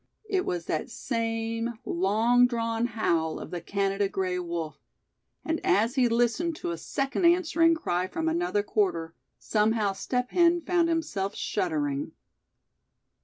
It was that same long drawn howl of the Canada gray wolf; and as he listened to a second answering cry from another quarter, somehow Step Hen found himself shuddering.